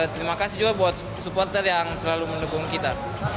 terima kasih juga buat supporter yang selalu mendukung kita